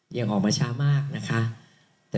ยังออกมาช้ามากนะคะ